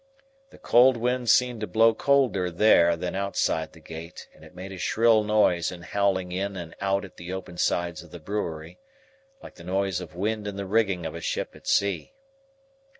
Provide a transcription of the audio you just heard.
The cold wind seemed to blow colder there than outside the gate; and it made a shrill noise in howling in and out at the open sides of the brewery, like the noise of wind in the rigging of a ship at sea.